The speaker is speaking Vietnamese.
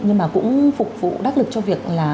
nhưng mà cũng phục vụ đắc lực cho việc